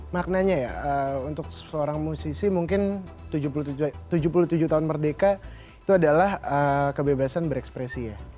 maknanya ya untuk seorang musisi mungkin tujuh puluh tujuh tahun merdeka itu adalah kebebasan berekspresi ya